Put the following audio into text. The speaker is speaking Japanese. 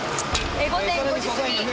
午前５時過ぎ。